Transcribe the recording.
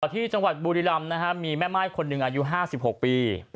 ที่จังหวัดบูริรัมณ์นะครับมีแม่ม่ายคนหนึ่งอายุห้าสิบหกปี